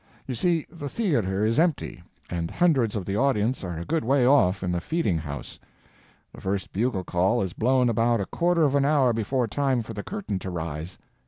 You see, the theater is empty, and hundreds of the audience are a good way off in the feeding house; the first bugle call is blown about a quarter of an hour before time for the curtain to rise.